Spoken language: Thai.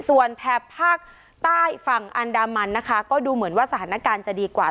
ส่วนแถบภาคใต้ฝั่งอันดามันนะคะก็ดูเหมือนว่าสถานการณ์จะดีกว่า